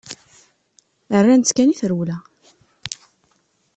Rran-tt kan i trewla.